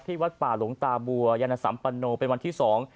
วัดป่าหลวงตาบัวยานสัมปันโนเป็นวันที่สอง